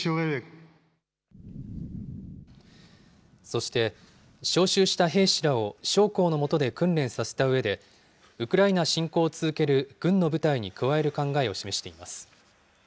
そして、招集した兵士らを将校の下で訓練させたうえで、ウクライナ侵攻を続ける軍の部隊に加える考えを示しています。